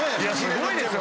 すごいですよこれ。